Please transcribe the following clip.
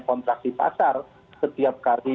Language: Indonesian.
kontraksi pasar setiap kali